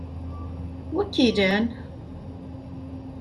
Wi-k ilan?